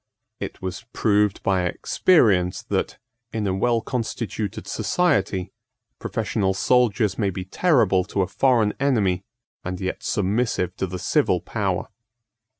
It was proved by experience that, in a well constituted society, professional soldiers may be terrible to a foreign enemy, and yet submissive to the civil power.